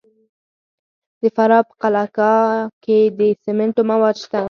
د فراه په قلعه کاه کې د سمنټو مواد شته.